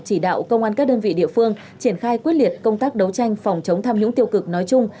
chỉ đạo công an các đơn vị địa phương triển khai quyết liệt công tác đấu tranh phòng chống tham nhũng tiêu cực nói chung